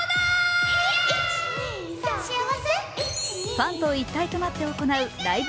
ファンと一体となって行うライブ